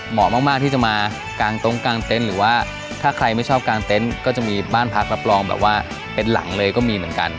เหมาะมากที่จะมากางตรงกลางเต็นต์หรือว่าถ้าใครไม่ชอบกลางเต็นต์ก็จะมีบ้านพักรับรองแบบว่าเป็นหลังเลยก็มีเหมือนกัน